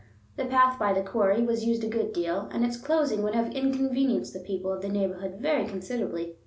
The path by the quarry was used a good deal, and its closing would have inconvenienced the people of the neighborhood very considerably.